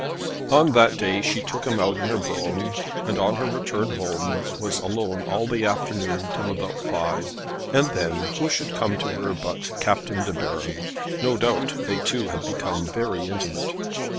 On that day she took him out in her brougham, and on her return home was alone all the afternoon till about five; and then who should come to her but Captain De Baron. No doubt they two had become very intimate.